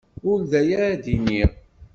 Ur d aya ay d-nniɣ.